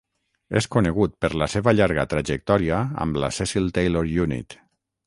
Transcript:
És conegut per la seva llarga trajectòria amb la Cecil Taylor Unit.